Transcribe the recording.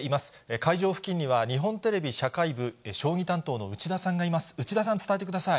会場付近には日本テレビ社会部、将棋担当の内田さんがいます。